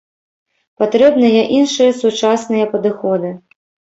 Патрэбныя іншыя сучасныя падыходы.